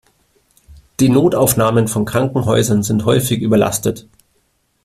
Die Notaufnahmen von Krankenhäusern sind häufig überlastet.